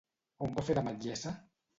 On va fer de metgessa?